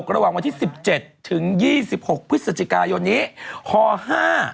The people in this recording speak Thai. ระหว่างวันที่๑๗๒๖พฤศจิกายนฮ๕๘